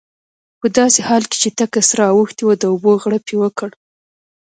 په داسې حال کې چې تکه سره اوښتې وه د اوبو غړپ یې وکړ.